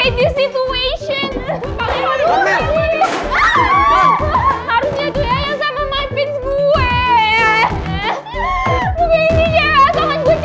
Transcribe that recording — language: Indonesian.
aku pengen mati